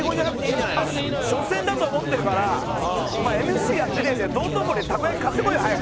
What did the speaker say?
初戦だと思ってるからお前ＭＣやってねえで道頓堀でたこ焼き買ってこいよ早く。